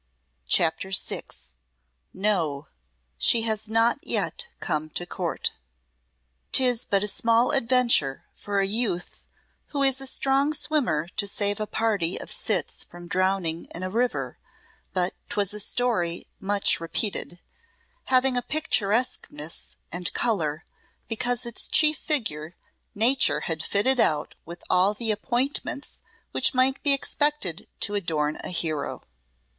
CHAPTER VI "No; She has not yet Come to Court" 'Tis but a small adventure for a youth who is a strong swimmer to save a party of cits from drowning in a river, but 'twas a story much repeated, having a picturesqueness and colour because its chief figure Nature had fitted out with all the appointments which might be expected to adorn a hero.